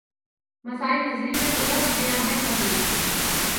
مسائل نظری میں الجھ گیا ہے خطیب